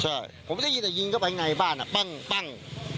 ใช่ผมไม่ได้ยินแต่ยิงเข้าไปข้างในบ้านอ่ะปั้งปั้ง